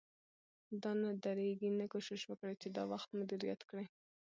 دا نه درېږي، نو کوشش وکړئ چې دا وخت مدیریت کړئ